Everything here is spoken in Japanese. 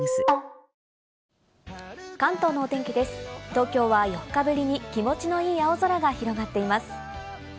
東京は４日ぶりに気持ちの良い青空が広がっています。